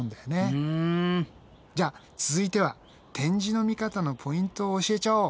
じゃあ続いては展示の見方のポイントを教えちゃおう！